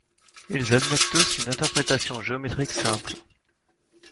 Ils admettent tous une interprétation géométrique simple.